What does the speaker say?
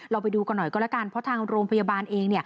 ไปดูกันหน่อยก็แล้วกันเพราะทางโรงพยาบาลเอง